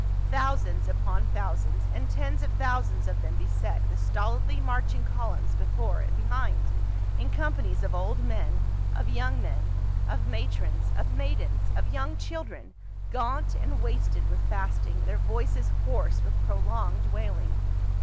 Thousands upon thousands, and tens of thousands of them beset the stolidly marching columns before and behind, in companies of old men, of young men, of matrons, of maidens, of young children ; gaunt and wasted with fasting, their voices hoarse with prolonged wailing.